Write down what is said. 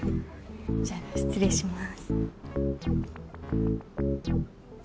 じゃあ失礼します。